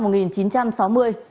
hộ khẩu trang trường